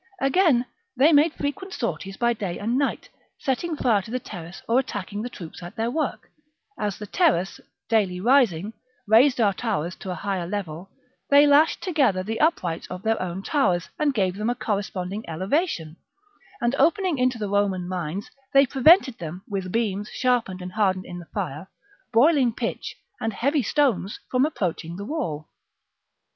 Again, they made frequent sorties by day and night, setting fire to the terrace or attacking the troops at their work : as the terrace, daily rising, raised our towers to a higher level, they lashed together the uprights of their own towers, and gave them a corresponding elevation ; and opening into the Roman mines, they prevented them, with beams sharpened and hardened' in the fire, boiling pitch, and heavy stones, from approaching the wall.